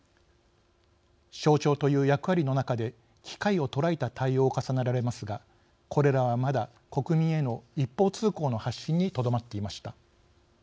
象徴という役割の中で機会を捉えた対応を重ねられますがこれらはまだ国民への一方通行の発信にとどまっていました。